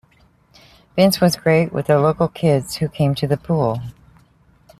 Vince was great with the local kids who came to the pool.